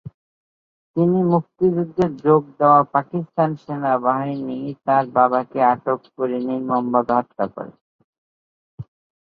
তিনি মুক্তিযুদ্ধে যোগ দেওয়ায় পাকিস্তান সেনাবাহিনী তার বাবাকে আটক করে নির্মমভাবে হত্যা করে।